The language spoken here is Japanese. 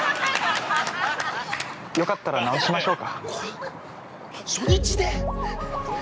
よかったら直しましょうか。